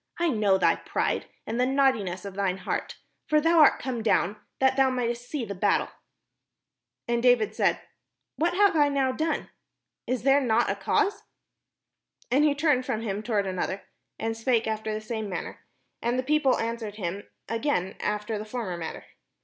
I know thy pride, and the naughtiness of thine heart; for thou art come down that thou mightest see the battle." And David said: "What have I now done? Is there not a cause? " And he turned from him toward another, and spake after the same manner: and the people an swered him again after the former manner.